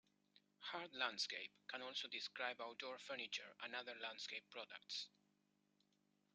'Hard landscape' can also describe outdoor furniture and other landscape products.